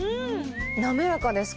滑らかです。